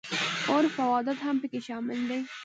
عرف او عادت هم په دې کې شامل دي.